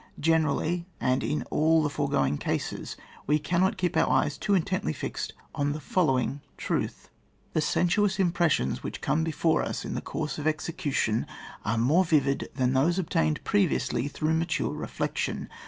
Generally, and in all the foregoing cases, we cannot keep our eyes too in tently fixed on the following truth :— The sensuous impressions which come before us in the course of execution, are more vivid than those obtained previously through mature reflection.